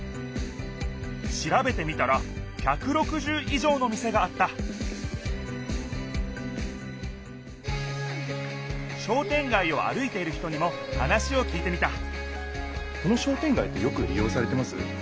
しらべてみたら１６０いじょうの店があった商店街を歩いている人にも話をきいてみたこの商店街ってよくり用されてます？